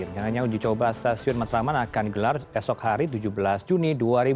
rencananya uji coba stasiun matraman akan gelar esok hari tujuh belas juni dua ribu dua puluh